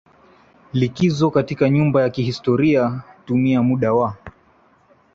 likizo katika nyumba ya kihistoria tumia muda wa